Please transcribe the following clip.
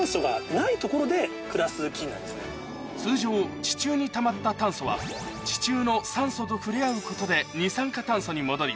通常地中にたまった炭素は地中の酸素と触れ合うことで二酸化炭素に戻り